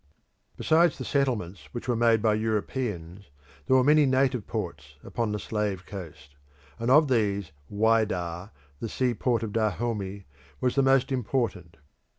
Besides the settlements which were made by Europeans, there were many native ports upon the Slave Coast, and of these Whydah, the seaport of Dahomey, was the most important.